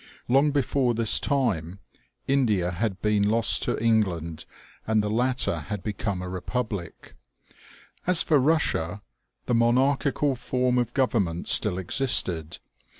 Long before this time, India had been lost to Eng land, and the latter had become a reptiblic. As for Russia, the monarchical form of government still existed.